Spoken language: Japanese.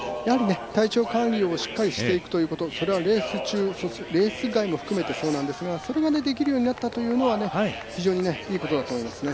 体調管理をしっかりしていくということそれはレース中、そしてレース外も含めてそうなんですがそれができるようになったというのは非常にいいことだと思いますね。